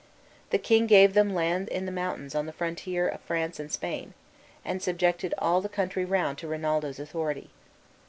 The king gave them land in the mountains on the frontiers of France and Spain, and subjected all the country round to Rinaldo's authority.